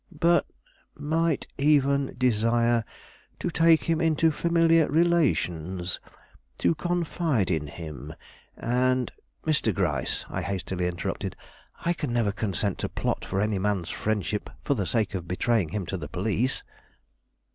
"But " "Might even desire to take him into familiar relations; to confide in him, and " "Mr. Gryce," I hastily interrupted; "I can never consent to plot for any man's friendship for the sake of betraying him to the police."